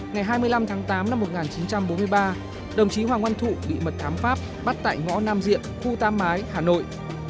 ngày hai mươi năm tháng tám năm một nghìn chín trăm bốn mươi ba đồng chí hoàng oanh thụ bị mật thám pháp bắt tại ngõ nam diệm khu tam mái hà nội